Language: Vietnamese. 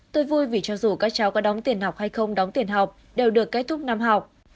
tôi vui vì cho dù các cháu có đóng tiền học hay không đóng tiền học đều được kết thúc năm học